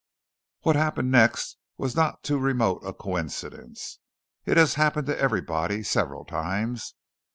What happened next was not too remote a coincidence. It has happened to everybody, several times.